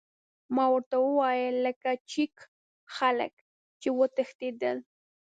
ما ورته وویل: لکه د چیک خلک، چې وتښتېدل.